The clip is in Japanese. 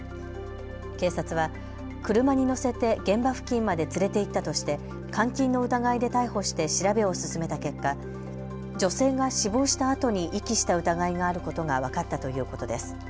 警察は車に乗せて現場付近まで連れて行ったとして監禁の疑いで逮捕して調べを進めた結果、女性が死亡したあとに遺棄した疑いがあることが分かったということです。